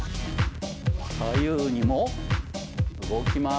左右にも動きます。